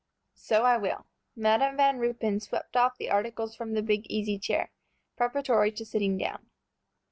"So I will." Madam Van Ruypen swept off the articles from a big easy chair, preparatory to sitting down.